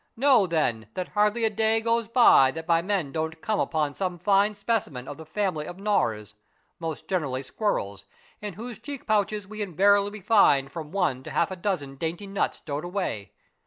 Know, then, that hardly a day goes by that my men don't come upon some fine specimen of the family of gnawers, most gener ally squirrels, in whose cheek pouches we invariably find from one to half a dozen dainty nuts stowed away.